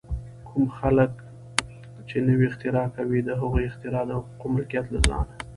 کوم خلک چې نوې اختراع کوي، د هغې اختراع د حقوقو ملکیت له ځان